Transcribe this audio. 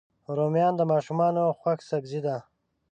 رومیان د ماشومانو خوښ سبزي ده